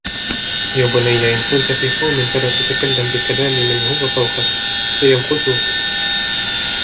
يَا بُنَيَّ إنْ كُنْت فِي قَوْمٍ فَلَا تَتَكَلَّمْ بِكَلَامِ مَنْ هُوَ فَوْقَك فَيَمْقُتُوك